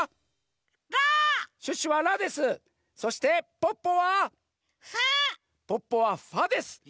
ポッポはファです！